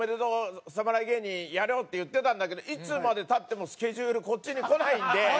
侍芸人やろうって言ってたんだけどいつまで経ってもスケジュールこっちに来ないんで。